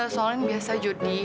soalnya ini biasa jodi